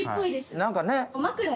何かね。